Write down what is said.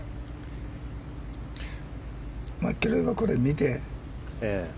マキロイはこれを見て。